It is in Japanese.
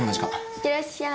いってらっしゃい。